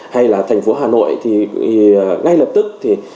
hay là thành phố hà nội thì ngay lập tức thì